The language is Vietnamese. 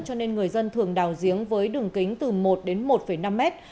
cho nên người dân thường đào giếng với đường kính từ một đến một năm mét